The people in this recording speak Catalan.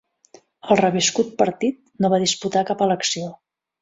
La reviscut partit no va disputar cap elecció.